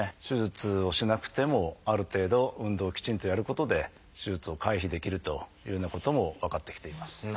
手術をしなくてもある程度運動をきちんとやることで手術を回避できるというようなことも分かってきています。